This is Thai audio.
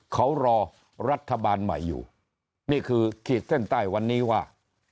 เขารอรัฐบาลใหม่อยู่นี่คือขีดเส้นใต้วันนี้ว่า